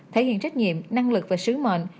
thể hiện trách nhiệm năng lực và sứ mệnh